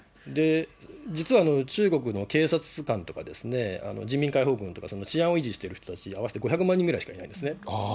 実は中国の警察官とか、人民解放軍とか、治安を維持している人たち、合わせて５００万人ぐらいしかいないんですね。